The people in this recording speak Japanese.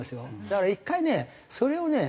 だから１回ねそれをね